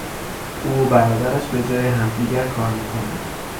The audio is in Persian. او و برادرش به جای همدیگر کار میکنند.